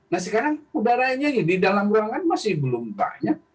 nah sekarang udaranya di dalam ruangan masih belum banyak